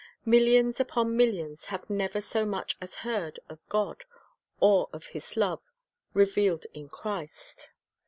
Millions upon millions have never so much as heard of God or of His love revealed in Christ.